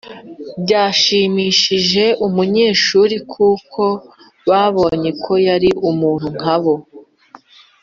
byashimishije abanyeshuri kuko babonye ko yari umuntu nkabo,